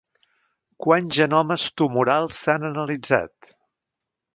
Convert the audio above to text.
Quants genomes tumorals s'han analitzat?